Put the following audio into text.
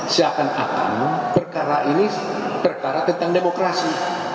seakan akan perkara ini perkara tentang demokrasi